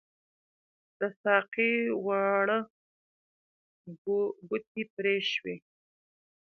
د ساقۍ واړه ګوتې پري شوي